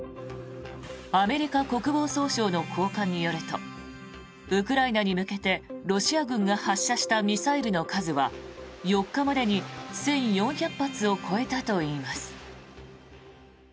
アメリカ国防総省の高官によるとウクライナに向けて、ロシア軍が発射したミサイルの数は４日までに１４００発を超えたといいます。